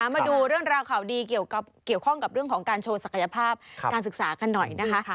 มาดูเรื่องราวข่าวดีเกี่ยวข้องกับเรื่องของการโชว์ศักยภาพการศึกษากันหน่อยนะคะ